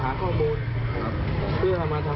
อยู่ที่ไหน